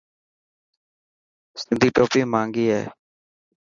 سنڌي ٽوپي مهنگي هي.